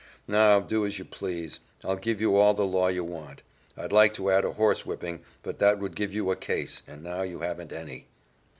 Now, do as you please. I'll give you all the law you want. I'd like to add a horsewhipping, but that would give you a case and now you haven't any."